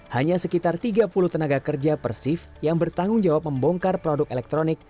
hanya sekitar tiga puluh tenaga kerja persif yang bertanggung jawab membongkar produk elektronik